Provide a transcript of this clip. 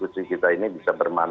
istri anda atau kad ordering